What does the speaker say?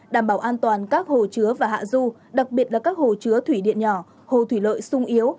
đảm bảo an toàn các hồ chứa và hạ du đặc biệt là các hồ chứa thủy điện nhỏ hồ thủy lợi sung yếu